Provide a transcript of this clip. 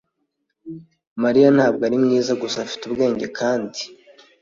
Mariya ntabwo ari mwiza gusa afite ubwenge kandi